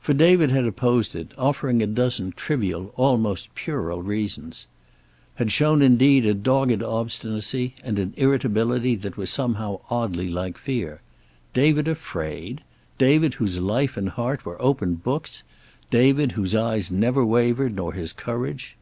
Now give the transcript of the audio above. For David had opposed it, offering a dozen trivial, almost puerile reasons. Had shown indeed, a dogged obstinacy and an irritability that were somehow oddly like fear. David afraid! David, whose life and heart were open books! David, whose eyes never wavered, nor his courage!